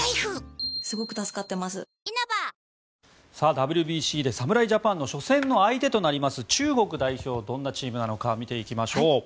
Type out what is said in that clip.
ＷＢＣで侍ジャパンの初戦の相手となります中国代表、どんなチームなのか見ていきましょう。